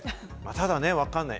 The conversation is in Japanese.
ただ分かんない。